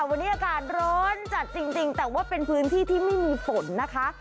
วันนี้อากาศร้อนจัดจริงแต่ว่าเป็นพื้นที่ที่ไม่มีฝนนะคะ